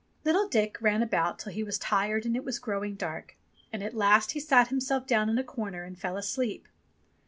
Little Dick ran about till he was tired and it was growing dark. And at last he sat himself down in a corner and fell asleep.